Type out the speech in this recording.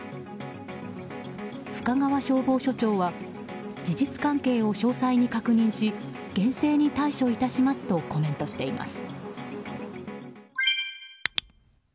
深川消防署長は事実関係を詳細に確認し厳正に対処いたしますとコメントしています。